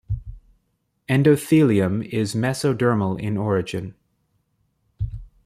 Endothelium is mesodermal in origin.